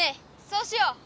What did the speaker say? そうしよう！